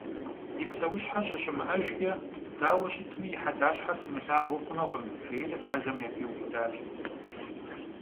«И псэущхьэ щыщымыӀэжкӀэ дауэ щытми и хьэдащхьэр сымылъагъуу хъунукъым», – жери къуажэм япиубыдащ.